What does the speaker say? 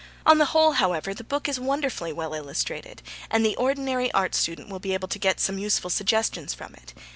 On the whole, however, the book is wonderfully well illustrated, and the ordinary art student will be able to get some useful suggestions from it.